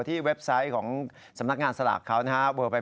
เว็บไซต์ของสำนักงานสลากเขานะครับ